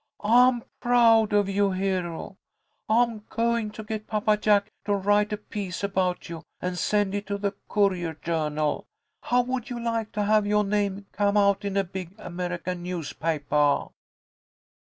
I'm proud of you, Hero. I'm goin' to get Papa Jack to write a piece about you and send it to the Courier Journal. How would you like to have yo' name come out in a big American newspapah?"